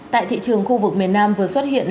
tại thị trường khu vực miền nam vừa xuất hiện